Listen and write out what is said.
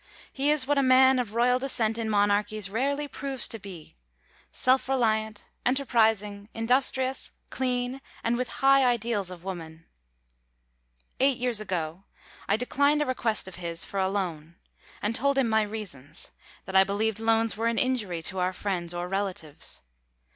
He is what a man of royal descent in monarchies rarely proves to be, self reliant, enterprising, industrious, clean, and with high ideals of woman. Eight years ago I declined a request of his for a loan, and told him my reasons that I believed loans were an injury to our friends or relatives.